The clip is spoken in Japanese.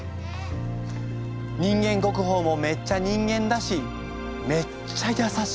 人間国宝もめっちゃ人間だしめっちゃやさしい。